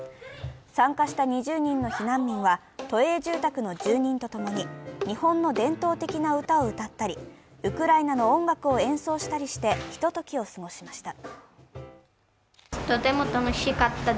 参加した２０人の避難民は都営住宅の住人と共に日本の伝統的な歌を歌ったりウクライナの音楽を演奏したりしてひとときを過ごしました。